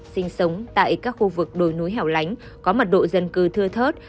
sinh sống tại các khu vực đồi núi hẻo lánh có mật độ dân cư thưa thớt